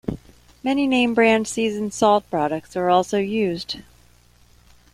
Many name brand seasoned salt products are also used.